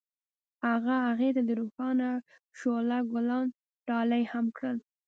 هغه هغې ته د روښانه شعله ګلان ډالۍ هم کړل.